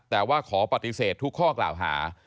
แต่ว่าขอปฏิเสธทุกข้อกล่าวหา